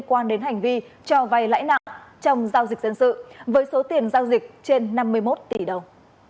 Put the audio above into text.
quan đến hành vi cho vay lãi nặng trong giao dịch dân sự với số tiền giao dịch trên năm mươi một tỷ đồng